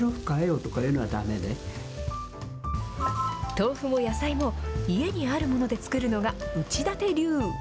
豆腐も野菜も、家にあるもので作るのが、内館流。